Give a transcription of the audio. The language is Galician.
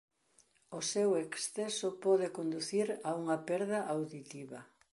O seu exceso pode conducir a unha perda auditiva.